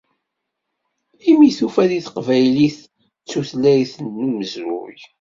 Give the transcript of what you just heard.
Imi tufa di Teqbaylit d tutlayt n umezruy.